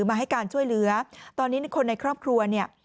มาให้การช่วยเหลือตอนนี้คนในครอบครัวเนี่ย